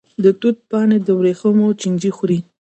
د توت پاڼې د وریښمو چینجی خوري.